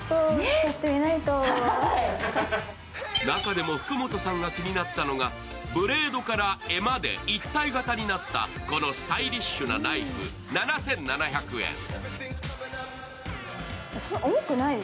中でも福本さんが気になったのが、ブレードから柄まで一体型になったこのスタイリッシュなナイフ、７７００円。